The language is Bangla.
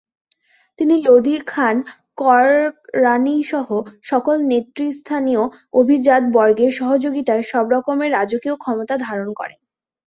তিনি লোদী খান কররানীসহ সকল নেতৃস্থানীয় অভিজাতবর্গের সহযোগিতায় সবরকমের রাজকীয় ক্ষমতা ধারণ করেন।